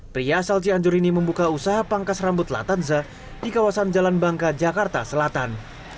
pria asal cianjur ini membuka usaha pangkas rambut latanza di kawasan jalan bangka jakarta selatan